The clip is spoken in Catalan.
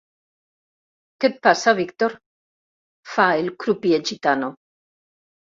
Què et passa, Víctor? —fa el crupier gitano—.